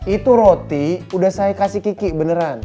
itu roti udah saya kasih kiki beneran